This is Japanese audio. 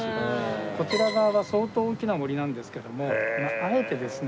こちら側は相当大きな森なんですけどもあえてですね